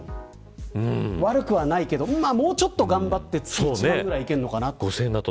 悪くはないけど、もうちょっと頑張って月１万ぐらいいけるのかな。